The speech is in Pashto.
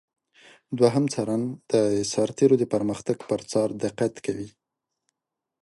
دوهم څارن د سرتیرو د پرمختګ پر څار دقت کوي.